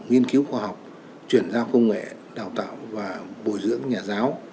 nghiên cứu khoa học chuyển giao công nghệ đào tạo và bồi dưỡng nhà giáo